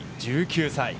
１９歳。